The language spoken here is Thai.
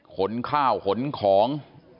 ขนข้าวขนของ